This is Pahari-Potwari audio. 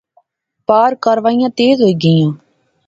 پار کاروائیاں تیز ہوئی گیئاں